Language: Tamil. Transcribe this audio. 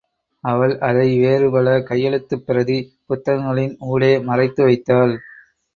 அவள், அதை வேறு பல கையெழுத்துப் பிரதி, புத்தகங்களின் ஊடே மறைத்து வைத்தாள்.